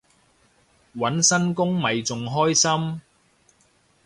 搵新工咪仲開心